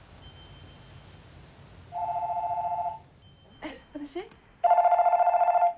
☎えっ私？